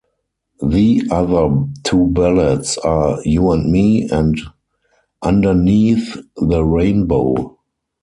The other two ballads are "You and Me" and "Underneath the Rainbow".